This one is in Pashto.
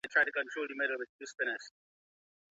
په لاس لیکل د ژبني مهارتونو د پرمختګ بنسټ دی.